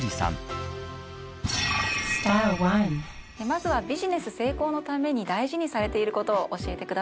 まずはビジネス成功のために大事にされていることを教えてください。